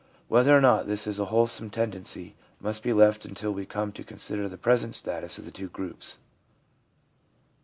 Whether or not this is a wholesome tendency must be left until we come to consider the present status of the two groups.